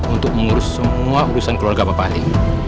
untuk mengurus semua urusan keluarga bapak ini